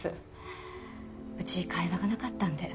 うち会話がなかったんで。